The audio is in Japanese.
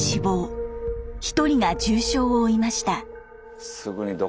１人が重傷を負いました。